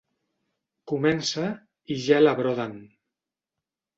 Comença i ja la broden.